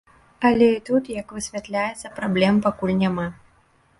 Але і тут, як высвятляецца, праблем пакуль няма.